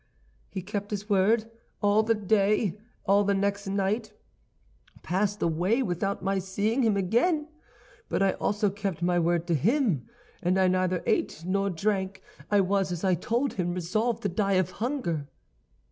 "He kept his word. All the day, all the next night passed away without my seeing him again. But I also kept my word with him, and I neither ate nor drank. I was, as I told him, resolved to die of hunger.